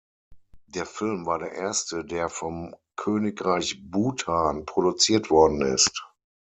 Der Film war der erste, der vom Königreich Bhutan produziert worden ist.